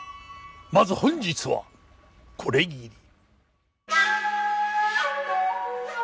まず本日はこれぎり。